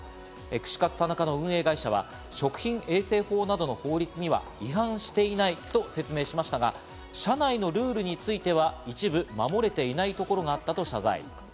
串カツ田中の運営会社は、食品衛生法などの法律には違反していないと説明しましたが、社内のルールについては一部、守れていないところがあったと謝罪。